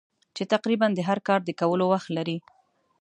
چې تقریباً د هر کار د کولو وخت لرې.